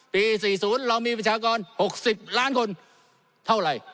๔๐เรามีประชากร๖๐ล้านคนเท่าไหร่